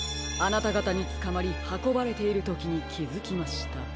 あなたがたにつかまりはこばれているときにきづきました。